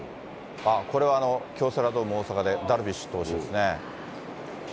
これは京セラドーム大阪で、ダルビッシュ投手ですね。